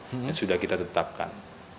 yang sudah kita tetapkan